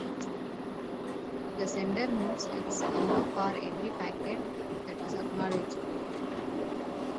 The sender moves its window for every packet that is acknowledged.